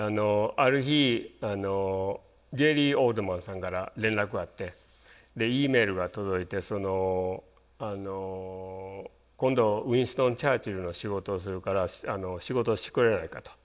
ある日ゲイリー・オールドマンさんから連絡があってＥメールが届いて「今度ウインストン・チャーチルの仕事をするから仕事をしてくれないか」と。